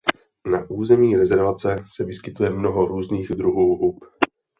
Na území rezervace se vyskytuje mnoho různých druhů hub.